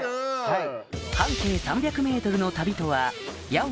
はい！